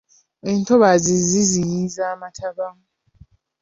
Entobazi ziziyiza amataba.